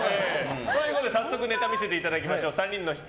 早速、ネタを見せていただきましょう。